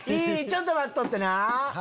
ちょっと待っとってな。